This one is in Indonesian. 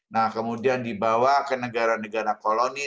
nah kemudian dibawa ke negara negara koloni